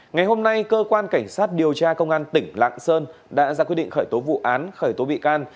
ngày hôm nay cơ quan cảnh sát điều tra công an tỉnh lạng sơn đã ra quyết định khởi tố vụ án khởi tố bị can